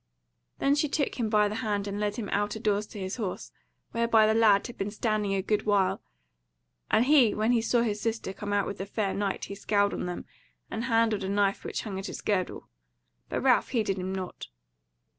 Then she took him by the hand and led him out a doors to his horse, whereby the lad had been standing a good while; and he when he saw his sister come out with the fair knight he scowled on them, and handled a knife which hung at his girdle; but Ralph heeded him nought.